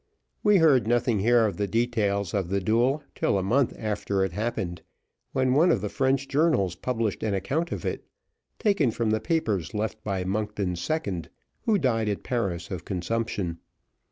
We heard nothing here of the details of the duel till a month after it happened, when one of the French journals published an account of it, taken from the papers left by Monkton's second, who died at Paris of consumption.